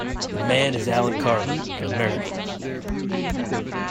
The man is Allen Carver, an American.